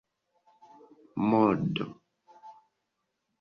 modo